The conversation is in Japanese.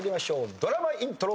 ドラマイントロ。